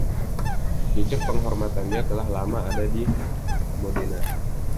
Jejak penghormatannya telah lama ada di Modena.